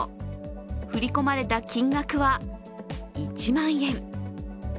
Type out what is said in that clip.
振り込まれた金額は１万円。